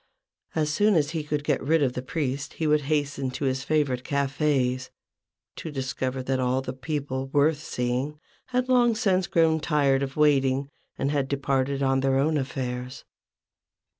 As soon as he could get rid of the priest, he would hasten to his favourite cafes, to discover that all the people worth seeing had THE BUSINESS OF MADAME JAHN. 8l long since grown tired of waiting, and had departed on their own affairs.